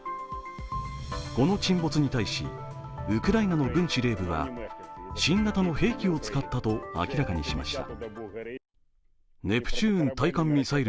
この沈没に対し、ウクライナの軍司令部は新型の兵器を使ったと明らかにしました。